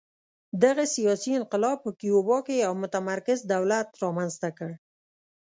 دغه سیاسي انقلاب په کیوبا کې یو متمرکز دولت رامنځته کړ